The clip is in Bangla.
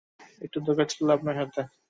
একটু দরকার ছিল আপনার সাথে।